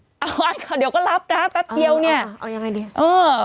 เอาไว้ค่ะเดี๋ยวก็รับนะแป๊บเดียวเนี่ยเอายังไงดีเออ